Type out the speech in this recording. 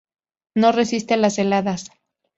No resiste las heladas.